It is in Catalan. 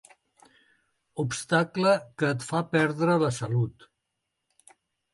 Obstacle que et fa perdre la salut.